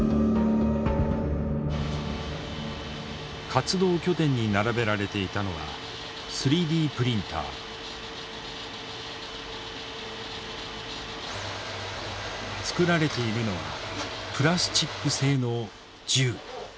活動拠点に並べられていたのは作られているのはプラスチック製の銃。